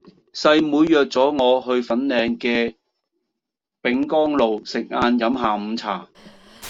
細妹約左我去粉嶺嘅丙岡路食晏飲下午茶